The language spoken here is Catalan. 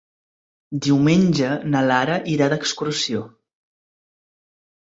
Diumenge na Lara irà d'excursió.